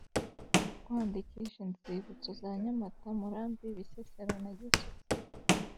kwandikisha inzibutso za nyamata murambi bisesero na gisozi